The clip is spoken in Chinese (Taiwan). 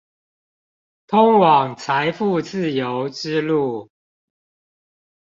通往財富自由之路